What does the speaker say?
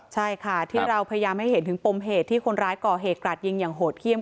ใช่ค่ะที่เราพยายามให้เห็นถึงปมเหตุที่คนร้ายก่อเหตุกราดยิงอย่างโหดเยี่ยม